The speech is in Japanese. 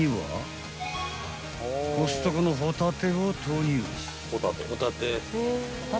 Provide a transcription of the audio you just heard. ［コストコのホタテを投入］